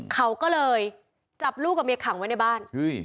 เขาก็เลยจับลูกกับเมียขังไว้ในบ้าน